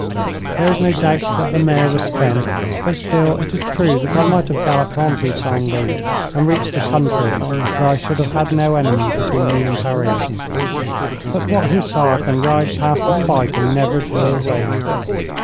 There is no doubt that the mare was spent, but still it is true that I might have galloped on through Senlis and reached the country, where I should have had no enemy between me and Paris. But what hussar can ride past a fight and never draw rein?